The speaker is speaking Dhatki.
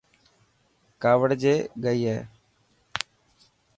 ڪاوڙجي گئي هي.